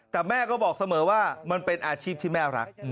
แต่แม่ก็บอกเสมอว่ามันเป็นอาชีพที่แม่รัก